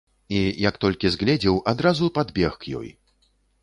І, як толькі згледзеў, адразу падбег к ёй.